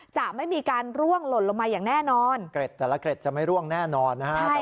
จะไม่มีการร่วงหล่นลงมาอย่างแน่นอนเกร็ดแต่ละเกร็ดจะไม่ร่วงแน่นอนนะฮะ